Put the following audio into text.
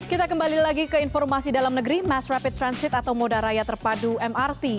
kita kembali lagi ke informasi dalam negeri mass rapid transit atau moda raya terpadu mrt